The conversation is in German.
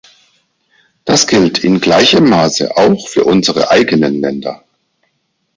Das gilt in gleichem Maße auch für unsere eigenen Länder.